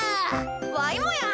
わいもや！